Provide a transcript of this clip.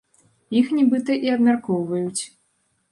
Іх, нібыта, і абмяркоўваюць.